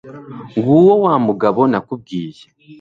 nguwo wa mugabo nakubwiye